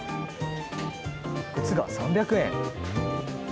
靴が３００円。